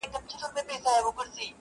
لار سوه ورکه له سپاهیانو غلامانو،